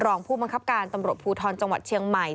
รองผู้บังคับการตำรวจภูทรจังหวัดเชียงใหม่